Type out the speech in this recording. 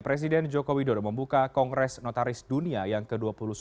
presiden joko widodo membuka kongres notaris dunia yang ke dua puluh sembilan